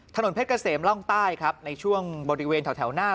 ถนนเพชรเกษมร่องใต้ครับในช่วงบริเวณแถวหน้า